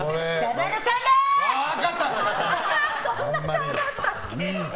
そんな顔だったっけ？